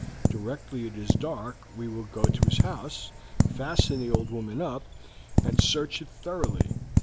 Directly it is dark we will go to his house, fasten the old woman up, and search it thoroughly.